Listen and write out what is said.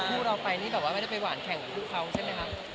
เราไปนี่แบบว่าไม่ได้ไปหวานแข่งกับผู้เขาใช่ไหมคะ